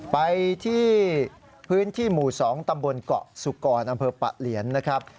ไปที่พื้นที่หมู่๒ตำบลเกาะสุกรอำเภอปะเหลียนนะครับ